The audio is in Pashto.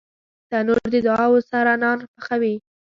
تنور د دعاوو سره نان پخوي